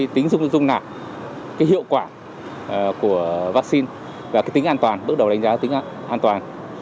tính dung nạp hiệu quả của vaccine và tính an toàn bước đầu đánh giá tính an toàn